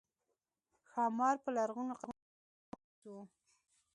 ښامار په لرغونو قصو کې یو ډارونکی څېز وو